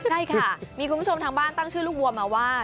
ใช่ค่ะมีคุณผู้ชมทางบ้านตั้งชื่อลูกวัวมาว่า